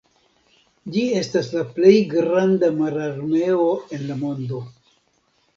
Ĝi estas la plej granda mararmeo en la mondo.